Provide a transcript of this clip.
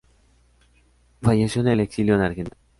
Falleció en el exilio en Argentina.